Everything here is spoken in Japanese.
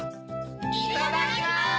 いただきます！